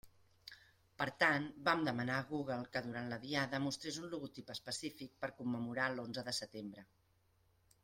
Per tant, vam demanar a Google que durant la Diada mostrés un logotip específic per commemorar l'onze de setembre.